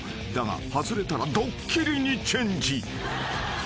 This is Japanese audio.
［だが外れたらドッキリにチェンジ］